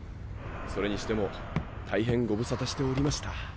それにしても大変ご無沙汰しておりました。